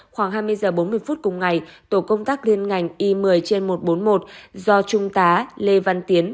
khoảng hai mươi h bốn mươi phút cùng ngày tổ công tác liên ngành y một mươi trên một trăm bốn mươi một do trung tá lê văn tiến